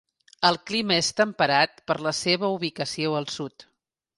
El clima és temperat per la seva ubicació al sud.